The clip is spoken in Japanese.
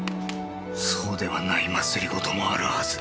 そうではない政もあるはず。